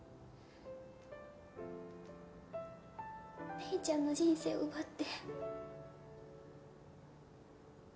玲ちゃんの人生を奪って。